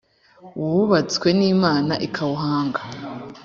wubatswe n imana ikawuhanga